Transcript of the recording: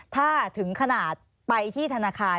ถ้าถึงขนาดไปที่ธนาคาร